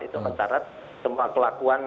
itu mencarat semua kelakuan